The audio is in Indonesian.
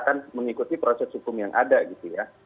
ya tentu kita akan mengikuti proses hukum yang ada gitu ya